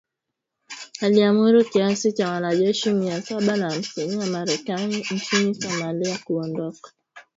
aliamuru kiasi cha wanajeshi mia saba na hamsini wa Marekani nchini Somalia kuondoka